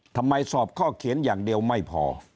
ทำไมสอบข้อเขียนอย่างเดียวไม่พอ